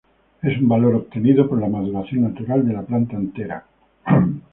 Es un valor obtenido por la maduración natural de la planta entera.